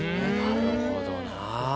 なるほどなぁ。